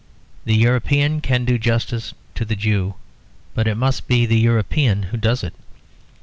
The European can do justice to the Jew; but it must be the European who does it.